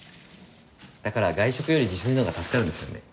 だから外食より自炊のほうが助かるんですよね。